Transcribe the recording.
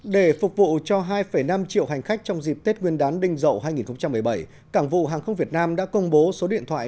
để phục vụ cho hai năm triệu hành khách trong dịp tết nguyên đán đinh rậu hai nghìn một mươi bảy cảng vụ hàng không việt nam đã công bố số điện thoại